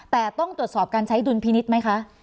แต่ต้องตรวจสอบการใช้ดุลพินิษฐ์ไหมคะ